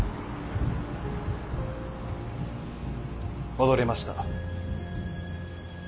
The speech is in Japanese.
戻りました。